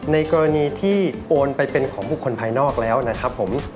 ในกรณีที่โอนไปเป็นของบุคคลภายนอกแล้วนะครับผม